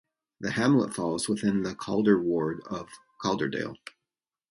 The Hamlet falls within the Calder ward of Calderdale.